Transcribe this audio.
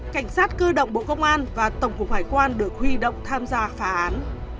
cảnh sát cơ động bộ công an và tổng cục hải quan được huy động tham gia phá án